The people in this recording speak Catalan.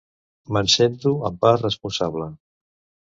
Me'n sento, en part, responsable.